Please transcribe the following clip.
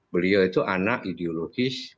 beliau itu anak ideologis